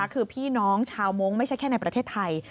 คือพี่น้องชาวมงค์ไม่ใช่แค่ในประเทศไทย